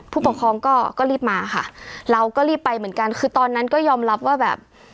ผู้ปกครองก็ก็รีบมาค่ะเราก็รีบไปเหมือนกันคือตอนนั้นก็ยอมรับว่าแบบ